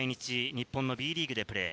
日本のＢリーグでプレー。